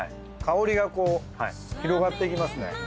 香りがこう広がっていきますね。